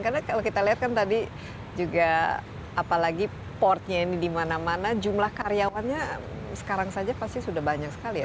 karena kalau kita lihat kan tadi juga apalagi portnya ini dimana mana jumlah karyawannya sekarang saja pasti sudah banyak sekali ya